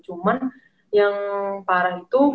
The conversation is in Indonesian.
cuman yang parah itu